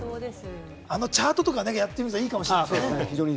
あのチャートとか、やってみるといいかもしれない。